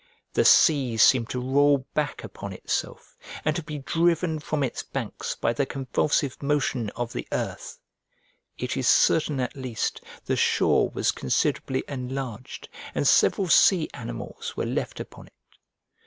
The sea seemed to roll back upon itself, and to be driven from its banks by the convulsive motion of the earth; it is certain at least the shore was considerably enlarged, and several sea animals were left upon it.